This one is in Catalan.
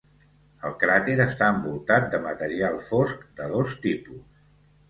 El cràter està envoltat de material fosc de dos tipus.